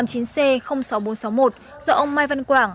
năm mươi chín c sáu nghìn bốn trăm sáu mươi một do ông mai văn quảng